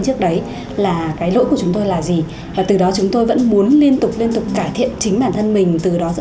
và đó là cái điều mà chúng tôi luôn luôn giữ chúng tôi luôn tiến về phía trước